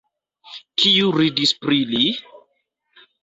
Kiu ridis pri li?